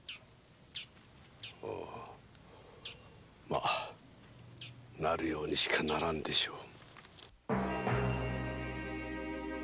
まなるようにしかならんでしょう。